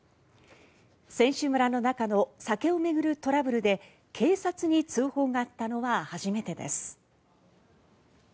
選手村の中の酒を巡るトラブルで警察に通報があったのは初めてです。